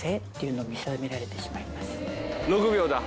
６秒だ。